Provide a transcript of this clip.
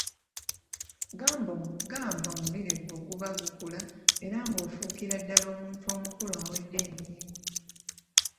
Gamba omubiri gwo guba gukula era ng'ofuukira ddala omuntu omukulu awedde emirimu.